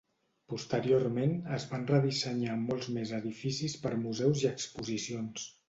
Posteriorment es van redissenyar molts més edificis per museus i exposicions.